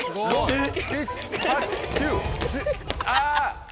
えっ？